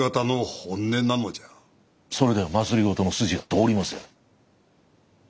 それでは政の筋が通りませぬ。